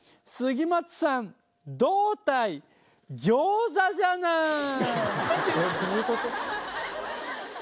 杉松さん胴体餃子じゃない！？